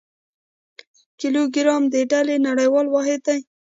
کیلوګرام د ډلي نړیوال واحد دی.